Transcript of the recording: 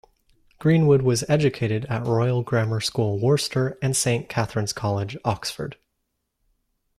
Greenwood was educated at Royal Grammar School Worcester and Saint Catherine's College, Oxford.